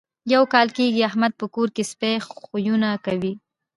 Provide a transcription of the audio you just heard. یو کال کېږي احمد په کور کې سپي خویونه کوي.